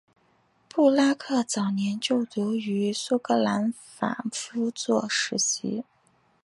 布拉克早年就读于苏格兰法夫作实习。